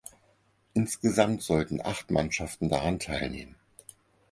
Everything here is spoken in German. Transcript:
Insgesamt sollten acht Mannschaften daran teilnehmen.